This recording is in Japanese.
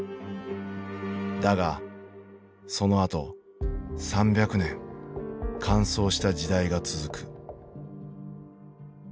だがそのあと３００年乾燥した時代が続く。